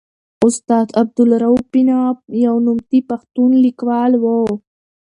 استاد عبدالروف بینوا یو نوموتی پښتون لیکوال و.